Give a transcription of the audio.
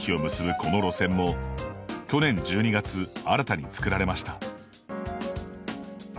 この路線も去年１２月、新たに作られました。